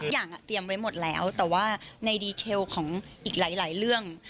อย่างเตรียมไว้หมดแล้วแต่ว่าในดีเทลของอีกหลายเรื่อง